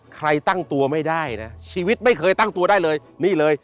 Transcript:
ตั้งตัวไม่ได้นะชีวิตไม่เคยตั้งตัวได้เลยนี่เลย